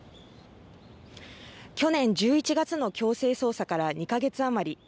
去年１１月の強制捜査から２か月余り。